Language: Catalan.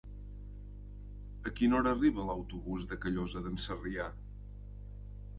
A quina hora arriba l'autobús de Callosa d'en Sarrià?